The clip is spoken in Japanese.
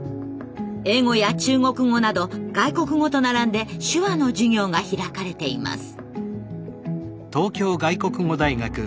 英語や中国語など外国語と並んで手話の授業が開かれています。